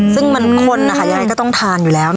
ซึ่งมันคนอย่างไรก็ต้องทานอยู่แล้ว